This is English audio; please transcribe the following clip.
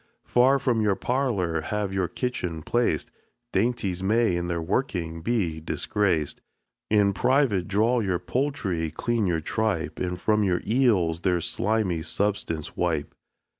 Far from your parlor have your kitchen placed, Dainties may in their working be disgraced. In private draw your poultry, clean your tripe, And from your eels their slimy substance wipe.